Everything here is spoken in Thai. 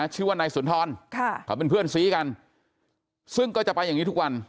ชื่อว่านายสุนทรเขาเป็นเพื่อนซีกันซึ่งก็จะไปอย่างนี้ทุกวัน